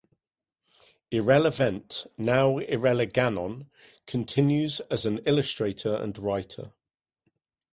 Erella Vent, now Erella Ganon, continues as an illustrator and writer.